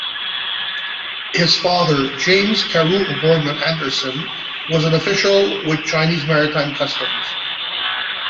His father, James Carew O'Gorman Anderson, was an official with Chinese Maritime Customs.